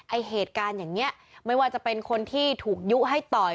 ไอ้เหตุการณ์อย่างนี้ไม่ว่าจะเป็นคนที่ถูกยุให้ต่อย